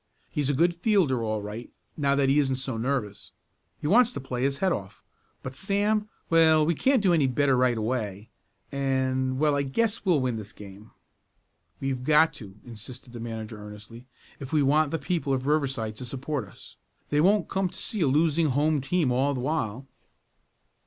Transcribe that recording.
He's a good fielder all right, now that he isn't so nervous. He wants to play his head off. But Sam well, we can't do any better right away, and well, I guess we'll win this game." "We've got to!" insisted the manager earnestly, "if we want the people of Riverside to support us. They won't come to see a losing home team all the while."